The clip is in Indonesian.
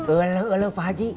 eluh eluh pak haji